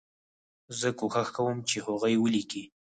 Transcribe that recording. زه کوښښ کوم چې هغوی ولیکي.